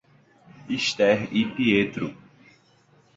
Esther e Pietro